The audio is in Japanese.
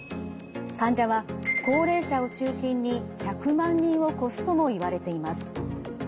患者は高齢者を中心に１００万人を超すともいわれています。